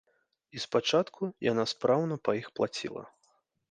І спачатку яна спраўна па іх плаціла.